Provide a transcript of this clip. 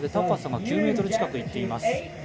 高さが９ｍ近くいっています。